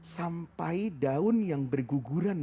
sampai daun yang berguguran